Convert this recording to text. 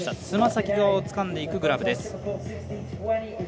つま先をつかんでいくグラブです。